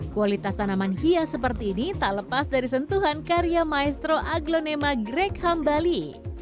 kualitas tanaman hias seperti ini tak lepas dari sentuhan karya maestro aglonema greg hambali